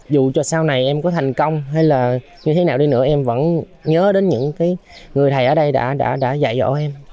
dù cho sau này em có thành công hay là như thế nào đi nữa em vẫn nhớ đến những người thầy ở đây đã dạy dỗ em